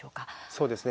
そうですね。